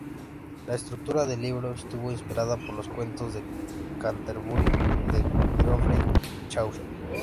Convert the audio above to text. La estructura del libro estuvo inspirada por "Los cuentos de Canterbury" de Geoffrey Chaucer.